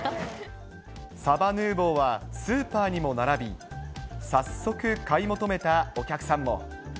サバヌーヴォーはスーパーにも並び、早速買い求めたお客さんも。